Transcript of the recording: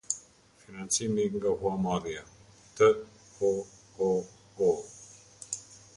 Financimi nga Huamarrja T o o o.